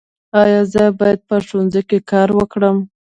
ایا زه باید په ښوونځي کې کار وکړم؟